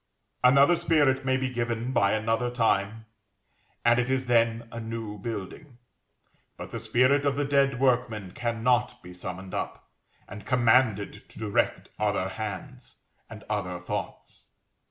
Another spirit may be given by another time, and it is then a new building; but the spirit of the dead workman cannot be summoned up, and commanded to direct other hands, and other thoughts.